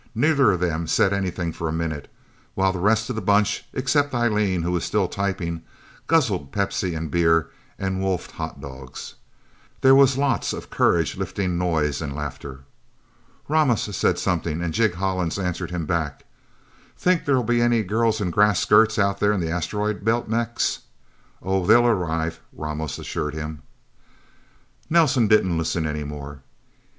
Neither of them said anything for a minute, while the rest of the Bunch, except Eileen who was still typing, guzzled Pepsi and beer, and wolfed hotdogs. There was lots of courage lifting noise and laughter. Ramos said something, and Jig Hollins answered him back. "Think there'll be any girls in grass skirts out in the Asteroid Belt, Mex?" "Oh, they'll arrive," Ramos assured him. Nelsen didn't listen anymore.